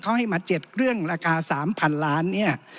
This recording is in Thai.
เขาให้มาเจ็ดเครื่องราคาสามพันล้านเนี้ย